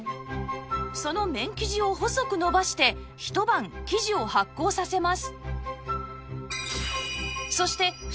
その麺生地を細く延ばしてひと晩生地を発酵させます